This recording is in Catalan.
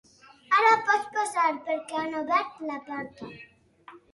Ara pots passar, perquè han obert la porta.